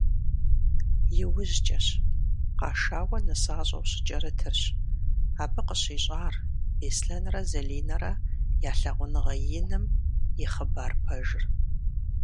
Иужькӏэщ, къашауэ нысащӏэу щыкӏэрытырщ, абы къыщищӏар Беслъэнрэ Залинэрэ я лъагъуныгъэ иным и хъыбар пэжыр.